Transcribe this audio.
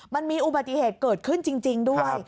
มันมีอุบัติเหตุเกิดขึ้นจริงด้วย